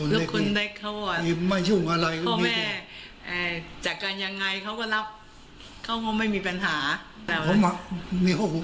เออลูกคนเล็กเขาอ่ะพ่อแม่จัดการยังไงเขาก็รับเขาก็ไม่มีปัญหา